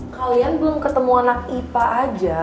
kalian belum ketemu anak ipa aja